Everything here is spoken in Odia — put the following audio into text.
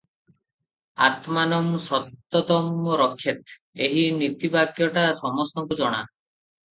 "ଆତ୍ମାନଂ ସତତଂ ରକ୍ଷେତ୍ " ଏହି ନୀତିବାକ୍ୟଟା ସମସ୍ତଙ୍କୁ ଜଣା ।